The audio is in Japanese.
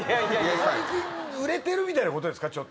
最近売れてるみたいなことですかちょっと。